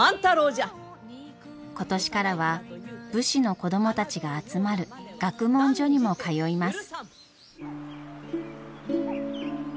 今年からは武士の子供たちが集まる学問所にも通います。